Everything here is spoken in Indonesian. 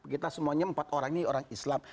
kita semuanya empat orang ini orang islam